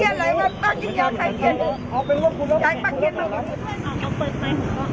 ย้ายป้าเกียรติมากกว่า